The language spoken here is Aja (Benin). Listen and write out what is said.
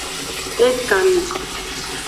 Ekanmi.